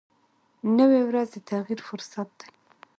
نوې ورځ د تغیر فرصت دی